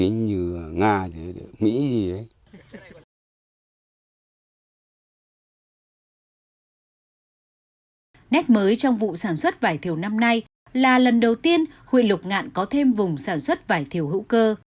nét mới trong vụ sản xuất vải thiều năm nay là lần đầu tiên huyện lục ngạn có thêm vùng sản xuất vải thiều hữu cơ